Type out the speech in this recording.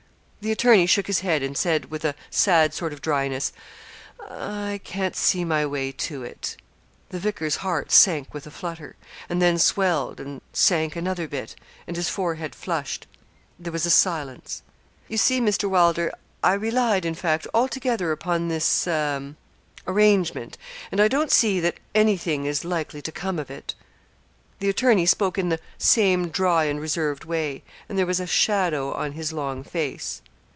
The attorney shook his head, and said, with a sad sort of dryness 'I can't see my way to it.' The vicar's heart sank with a flutter, and then swelled, and sank another bit, and his forehead flushed. There was a silence. 'You see, Mr. Wylder, I relied, in fact, altogether upon this a arrangement; and I don't see that any thing is likely to come of it.' The attorney spoke in the same dry and reserved way, and there was a shadow on his long face.